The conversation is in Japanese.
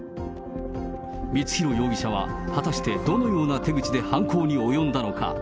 光弘容疑者は、果たしてどのような手口で犯行に及んだのか。